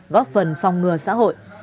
góp phần phòng ngừa xã hội